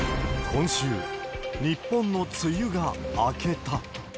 今週、日本の梅雨が明けた。